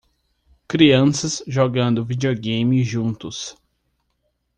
Crianças jogando videogame juntos.